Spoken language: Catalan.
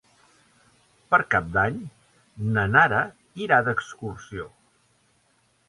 Per Cap d'Any na Nara irà d'excursió.